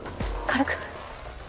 軽く。